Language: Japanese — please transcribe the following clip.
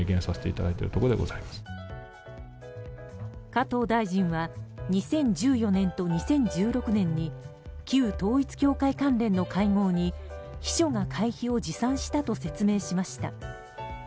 加藤大臣は２０１４年と２０１６年に旧統一教会関連の会合に秘書が会費を持参したと説明しました。